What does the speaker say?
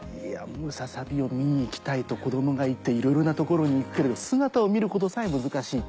ムササビを見に行きたいと子供が言っていろいろな所に行くけれど姿を見ることさえ難しい。